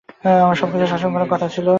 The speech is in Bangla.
আমার সবকিছু শাসন করার কথা ছিল।